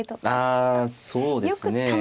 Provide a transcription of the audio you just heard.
あそうですね。